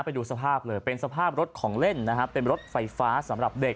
ไปดูสภาพเลยเป็นสภาพรถของเล่นนะฮะเป็นรถไฟฟ้าสำหรับเด็ก